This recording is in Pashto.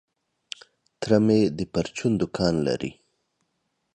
تره مي د پرچون دوکان لري .